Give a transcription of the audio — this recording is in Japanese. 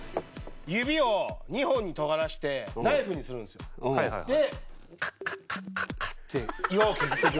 指を２本にとがらせてナイフにするんですよ。でカッカッカッカッカッて岩を削っていく。